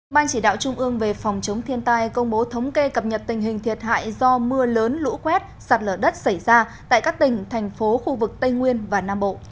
ban chỉ đạo trung ương về phòng chống thiên tai công bố thống kê cập nhật tình hình thiệt hại do mưa lớn lũ quét sạt lở đất xảy ra tại các tỉnh thành phố khu vực tây nguyên và nam bộ